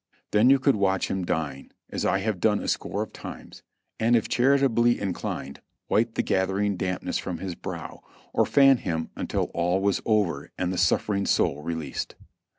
Then you could watch him dying (as I have done a score of times), and if charitably inclined wipe the gathering dampness from his brow or fan him until all was over and the suffering soul released.